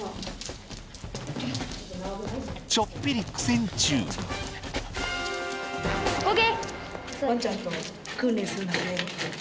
ちょっぴり苦戦中そう。